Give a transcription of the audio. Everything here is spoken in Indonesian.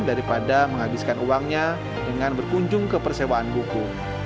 daripada menghabiskan uangnya dengan berkunjung ke persewaan buku